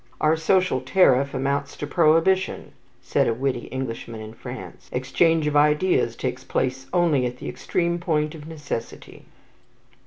"Our social tariff amounts to prohibition," said a witty Englishman in France. "Exchange of ideas takes place only at the extreme point of necessity."